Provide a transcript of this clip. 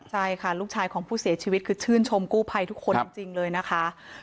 ใช่ค่ะลูกชายของผู้เสียชีวิตคือชื่นชมกู้ภัยทุกคนจริงเลยนะคะ